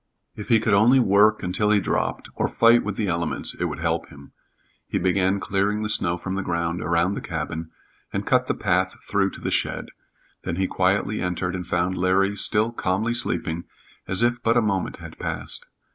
If he could only work until he dropped, or fight with the elements, it would help him. He began clearing the snow from the ground around the cabin and cut the path through to the shed; then he quietly entered and found Larry still calmly sleeping as if but a moment had passed.